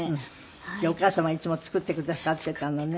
じゃあお母様いつも作ってくださっていたのね。